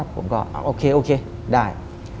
ผมก็โอเคโอเคได้